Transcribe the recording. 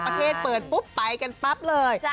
ประเทศเปิดปุ๊บไปกันปั๊บเลย